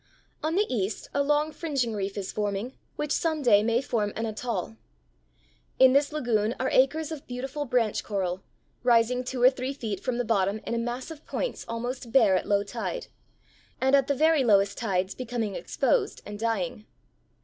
On the east a long fringing reef is forming which some day may form an atoll (Fig. 36). In this lagoon are acres of beautiful branch coral, rising two or three feet from the bottom in a mass of points almost bare at low tide, and at the very lowest tides becoming exposed and dying.